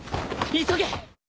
急げ！